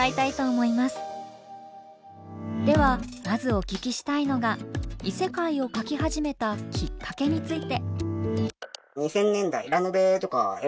ではまずお聞きしたいのが異世界を書き始めたきっかけについて。